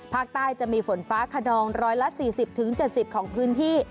ภาคใต้จะมีฝนฟ้าขนอง๑๔๐๗๐ของพื้นที่